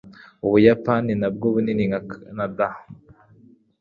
Ubuyapani ntabwo bunini nka Kanada.